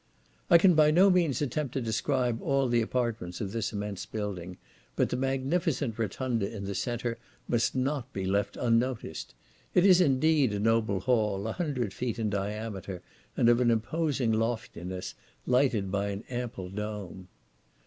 I can by no means attempt to describe all the apartments of this immense building, but the magnificent rotunda in the centre must not be left unnoticed. It is, indeed, a noble hall, a hundred feet in diameter, and of an imposing loftiness, lighted by an ample dome.